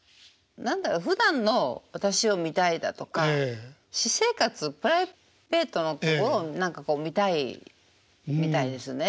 何だろうふだんの私を見たいだとか私生活プライベートのところを何かこう見たいみたいですね。